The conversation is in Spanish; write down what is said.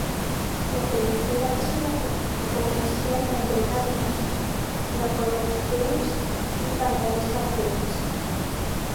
La película es una coproducción entre Ánima, Lo Coloco Films y Altavista Films.